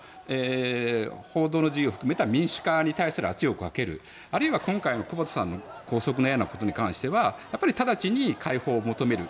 報道の自由を含めた民主化に対して圧力をかけるあるいは、今回の久保田さんの拘束のようなことに関してはやっぱり直ちに解放を求める。